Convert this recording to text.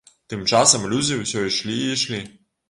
Тым часам людзі ўсё ішлі і ішлі.